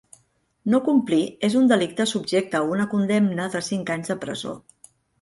No complir és un delicte subjecte a una condemna de cinc anys de presó.